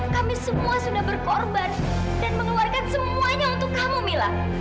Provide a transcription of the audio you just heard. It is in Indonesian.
kami semua sudah berkorban dan mengeluarkan semuanya untuk kamu mila